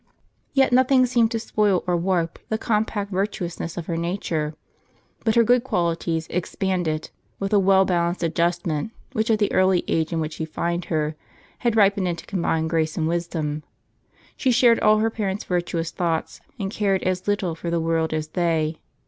Yet nothing seemed to spoil, or warp, the compact virtuousness of her nature ; but her good qualities expanded, with a well balanced adjustment, which at the early age in which we find her, had ripened into com bined grace and wisdom. She shared all her parents' virtu ous thoughts, and cared as little for the world as they.